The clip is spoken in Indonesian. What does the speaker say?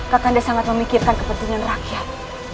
kakanda sangat memikirkan kepentingan rakyat